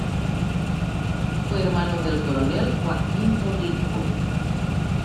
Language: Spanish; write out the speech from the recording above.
Fue hermano del Coronel Joaquín Torrico.